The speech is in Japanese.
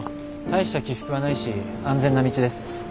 大した起伏はないし安全な道です。